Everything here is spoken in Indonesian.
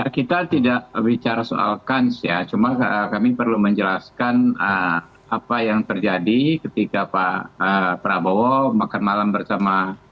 kita tidak bicara soal kans ya cuma kami perlu menjelaskan apa yang terjadi ketika pak prabowo makan malam bersama